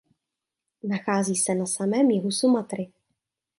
Nachází se na samém jihu Sumatry.